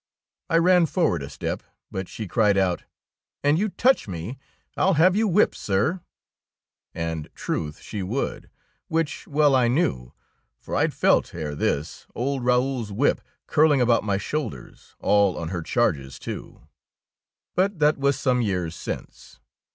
I ran forward a step; but she cried out, — "An you touch me I'll have you whipped, sir"; and, trath, she would, 1 1 DEEDS OF DAKING which well I knew, for I^d felt ere this old Raoul's whip curling about my shoulders, all on her charges too. But that was some years since.